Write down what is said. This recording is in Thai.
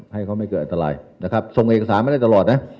ให้เขาไม่เกิดอันตรายนะครับส่งเอกสารมาได้ตลอดนะ